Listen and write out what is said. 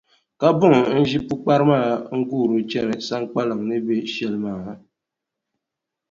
Ka buŋa ʒi pukpara maa, n-guuri chani Saŋkpaliŋ ni be shɛli maa.